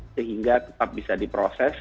sehingga tetap bisa diproses